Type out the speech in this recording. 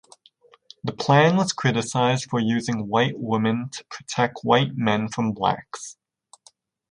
The plan was criticized for using white women to protect white men from blacks.